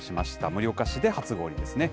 盛岡市で初氷ですね。